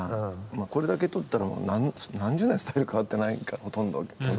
これだけとったら何十年スタイル変わってないかほとんど。